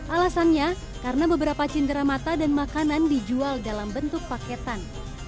alasannya karena beberapa cindera mata dan makanan dijual dalam bentuk paketan